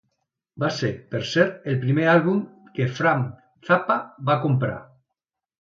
Va ser, per cert, el primer àlbum que Frank Zappa va comprar.